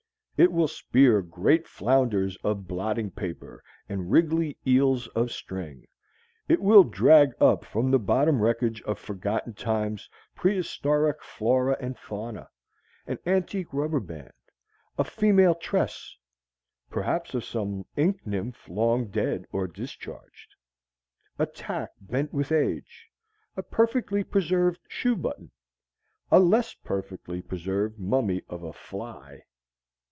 It will spear great flounders of blotting paper and wriggly eels of string. It will drag up from the bottom wreckage of forgotten times, prehistoric flora and fauna an antique rubber band, a female tress (perhaps of some ink nymph long dead or discharged), a tack bent with age, a perfectly preserved shoe button, a less perfectly preserved mummy of a fly.